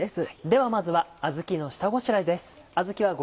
ではまずはあずきの下ごしらえです。